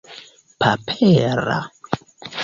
papera